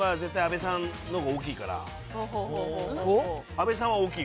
阿部さん大きい。